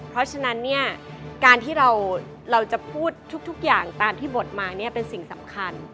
เพราะฉะนั้นเนี่ยการที่เราจะพูดทุกอย่างตามที่บทมาเนี่ยเป็นสิ่งสำคัญ